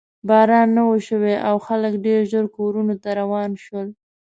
باران نه و شوی او خلک ډېر ژر کورونو ته روان شول.